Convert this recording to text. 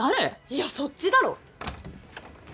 いやそっちだろ！？